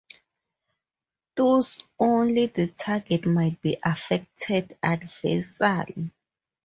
Thus only the target might be affected adversely.